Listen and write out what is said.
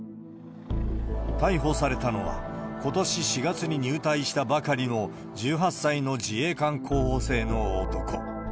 逮捕されたのは、ことし４月に入隊したばかりの１８歳の自衛官候補生の男。